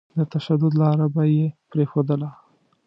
د تشدد لاره به يې پرېښودله.